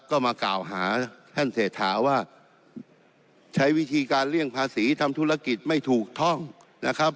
ก็มากล่าวหาท่านเศรษฐาว่าใช้วิธีการเลี่ยงภาษีทำธุรกิจไม่ถูกท่องนะครับ